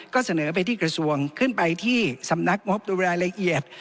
ก็เสนอไปที่กระทรวงขึ้นไปที่สำนักงบดูแลรายละเอียด